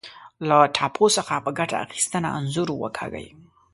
له ټاپو څخه په ګټه اخیستنه انځور وکاږئ.